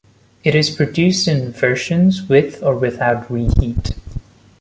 It is produced in versions with or without reheat.